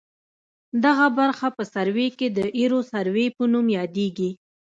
دغه برخه په سروې کې د ایروسروې په نوم یادیږي